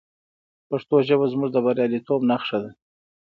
پښتو ژبه زموږ د بریالیتوب نښه ده.